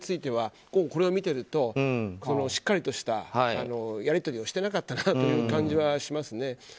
これを見ているとしっかりとしたやり取りをしていなかったという感じがしますね。